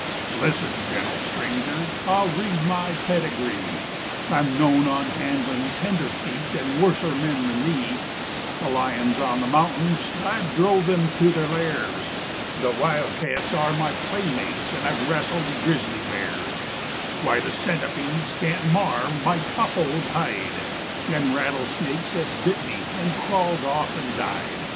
"Listen, gentle stranger, I'll read my pedigree: I'm known on handling tenderfeet and worser men than thee; The lions on the mountains, I've drove them to their lairs; The wild cats are my playmates, and I've wrestled grizzly bears; "Why, the centipedes can't mar my tough old hide, And rattle snakes have bit me and crawled off and died.